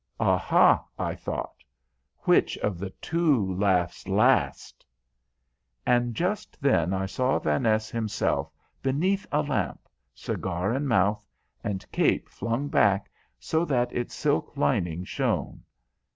"Aha!" I thought, "which of the two laughs last?" And just then I saw Vaness himself beneath a lamp, cigar in mouth, and cape flung back so that its silk lining shone.